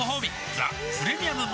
「ザ・プレミアム・モルツ」